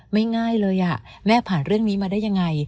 ง่ายเลยแม่ผ่านเรื่องนี้มาได้ยังไง